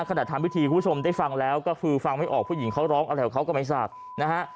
ทำพิธีคุณผู้ชมได้ฟังแล้วก็คือฟังไม่ออกผู้หญิงเขาร้องอะไรของเขาก็ไม่ทราบนะฮะ